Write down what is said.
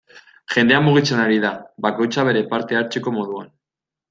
Jendea mugitzen ari da, bakoitza bere parte hartzeko moduan.